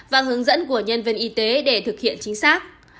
và hướng dẫn của nhân viên y tế để thực hiện chính xác